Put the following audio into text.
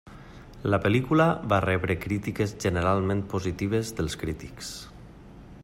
La pel·lícula va rebre crítiques generalment positives dels crítics.